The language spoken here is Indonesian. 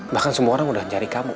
bahkan semua orang udah nyari kamu